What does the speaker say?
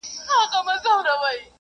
هغه شاعر هېر که چي نظمونه یې لیکل درته `